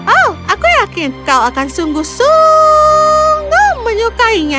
oh aku yakin kau akan sungguh sungguh menyukainya